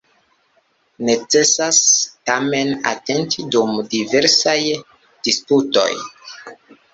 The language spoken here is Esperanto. Necesas, tamen, atenti dum diversaj disputoj.